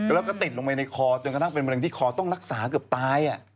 แล้วก็ติดลงไปในคอจนกระทั่งเป็นมะเร็งที่คอต้องรักษาเกือบตาย